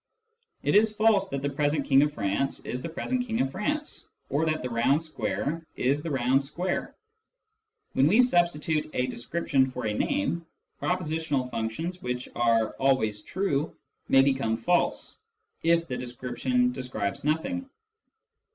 It is false that the present King of France is the present King of France, or that the round square is the round square. When we substitute a description for a name, propositional functions which are " always true " may become false, if the description describes nothing.